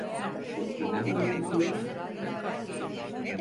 Bunu sana ödeteceğim!